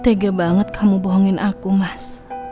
tega banget kamu bohongin aku mas